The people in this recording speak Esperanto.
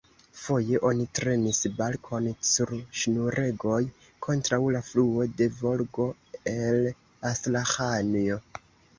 Foje oni trenis barkon sur ŝnuregoj kontraŭ la fluo de Volgo, el Astraĥanjo.